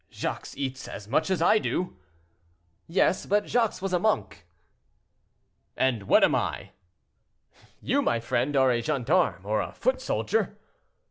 "Jacques eats as much as I do." "Yes, but Jacques was a monk." "And what am I?" "You, my friend, are a gendarme, or a foot soldier."